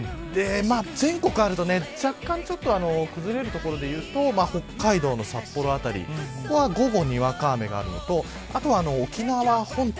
全国あると若干、崩れる所でいうと北海道の札幌辺り午後にわか雨があるのと沖縄は本島